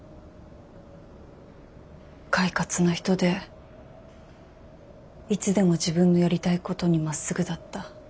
快活な人でいつでも自分のやりたいことにまっすぐだった。